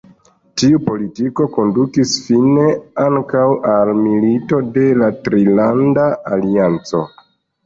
Tiu politiko kondukis fine ankaŭ al Milito de la Trilanda Alianco.